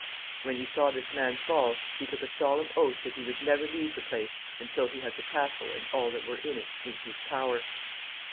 When he saw this man fall, he took a solemn oath that he would never leave the place until he had the castle and all that were in it in his power.